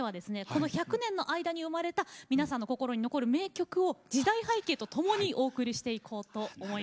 この１００年の間に生まれた皆さんの心に残る名曲を時代背景とともにお送りしていこうと思います。